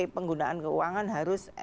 penggunaan keuangan harus